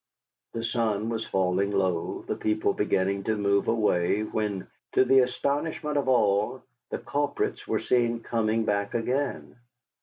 The sun was falling low, the people beginning to move away, when, to the astonishment of all, the culprits were seen coming back again.